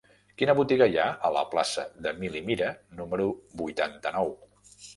Quina botiga hi ha a la plaça d'Emili Mira número vuitanta-nou?